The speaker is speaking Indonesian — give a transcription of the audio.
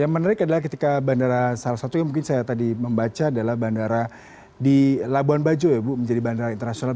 yang menarik adalah ketika bandara salah satu yang mungkin saya tadi membaca adalah bandara di labuan bajo ya bu menjadi bandara internasional